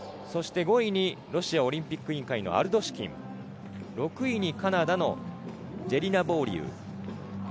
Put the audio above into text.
そして５位にロシアオリンピック委員会のアルドシュキン、６位にカナダのジェリナ・ボーリウ。